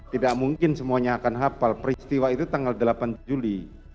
tidak mungkin semuanya akan hafal peristiwa itu tanggal delapan juli